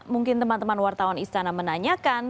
mungkin teman teman wartawan istana menanyakan